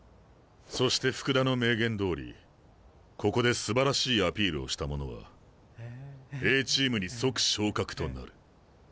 そして福田の明言どおりここですばらしいアピールをした者はＡチームに即昇格となる。